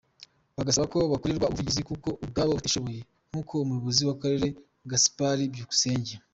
Bagasaba ko bakorerwa ubuvugizi kuko ubwabo batishoboye, nk’uko Umuyobozi w’akarere Gasipari Byukusenge.